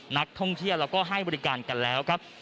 นักท่องเที่ยวแล้วก็ให้บริการกันแล้วครับ